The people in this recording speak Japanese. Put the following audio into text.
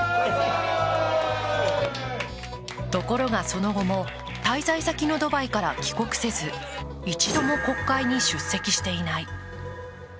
ところが、その後も滞在先のドバイから帰国せず、一度も国会に出席していない。